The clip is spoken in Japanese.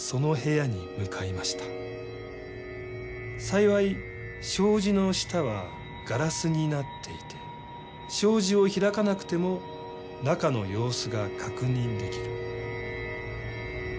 幸い障子の下はガラスになっていて障子を開かなくても中の様子が確認できる。